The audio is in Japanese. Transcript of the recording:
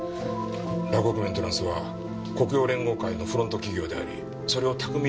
洛北メンテナンスは黒洋連合会のフロント企業でありそれを巧みに隠しながら。